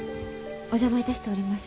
お邪魔いたしております。